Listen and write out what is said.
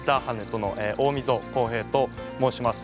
人の大溝康平と申します。